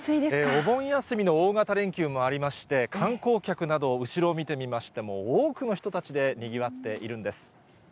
お盆休みの大型連休もありまして、観光客など、後ろを見てみましても、多くの人たちでにぎわっているんです。